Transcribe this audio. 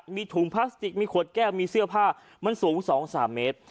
มีถุงพลาสติกมีขวดแก้วมีเสื้อผ้ามันสูง๒๓เมตร